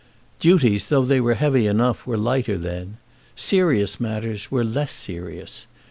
Duties, though they were heavy enough, were lighter then. Serious matters were less serious.